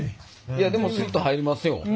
いやでもスッと入りますよ。ね！